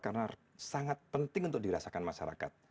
karena sangat penting untuk dirasakan masyarakat